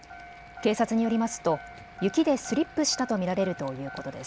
警察によりますと雪でスリップしたと見られるということです。